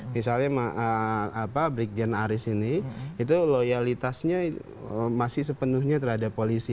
misalnya brigjen aris ini itu loyalitasnya masih sepenuhnya terhadap polisi